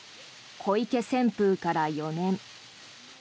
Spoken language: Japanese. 小池旋風から４年。